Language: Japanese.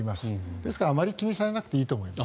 ですから、あまり気にされなくていいと思います。